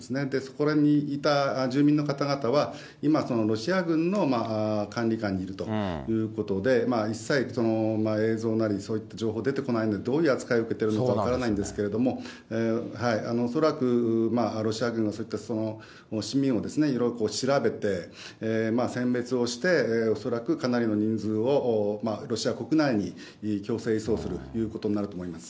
ここら辺にいた住民は、今、ロシア軍の管理下にいるということで、一切映像なり、そういった情報出てこないので、どういう扱い受けてるのか分からないんですけども、恐らくロシア軍はそういった市民をいろいろ調べて、選別をして、恐らくかなりの人数をロシア国内に強制移送するということになると思います。